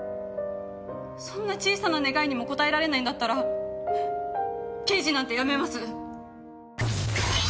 そんな小さな願いにも応えられないんだったら刑事なんて辞めます！